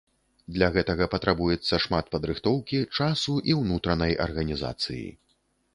Для гэтага патрабуецца шмат падрыхтоўкі, часу і ўнутранай арганізацыі.